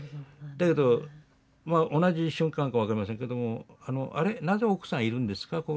だけど同じ瞬間か分かりませんけども「あれなぜ奥さんいるんですか？